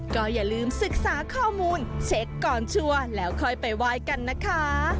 ก็อย่าลืมศึกษาข้อมูลเช็คก่อนชัวร์แล้วค่อยไปไหว้กันนะคะ